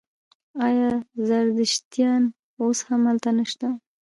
آیا زردشتیان اوس هم هلته نشته؟